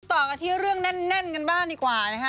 ต่อกันที่เรื่องแน่นกันบ้างดีกว่านะคะ